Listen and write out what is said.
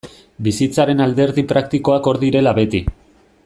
Bizitzaren alderdi praktikoak hor direla beti.